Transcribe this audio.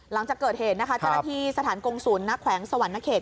หลังจากเกิดเหตุจาระที่สถานกงศูนย์นักแขวงสวรรค์นักเขต